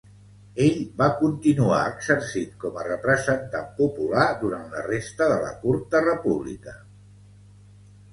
Ell va continuar exercint com a representant popular durant la resta de la curta República.